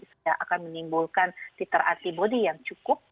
sudah akan menimbulkan titer antibody yang cukup